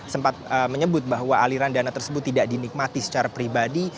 sempat menyebut bahwa aliran dana tersebut tidak dinikmati secara pribadi